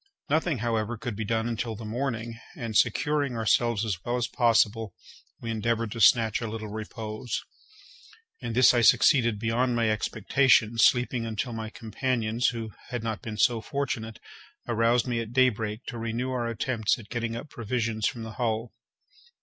Nothing, however, could be done until the morning, and, securing ourselves as well as possible, we endeavoured to snatch a little repose. In this I succeeded beyond my expectations, sleeping until my companions, who had not been so fortunate, aroused me at daybreak to renew our attempts at getting up provisions from the hull.